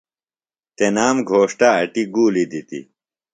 تنام گھوݜٹہ اٹیۡ گُولیۡ دِتیۡ۔